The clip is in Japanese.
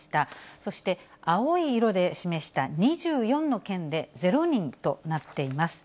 そして青い色で示した２４の県で０人となっています。